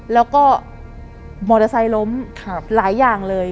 แล้วก็มอเตอร์ไซค์ล้มหลายอย่างเลย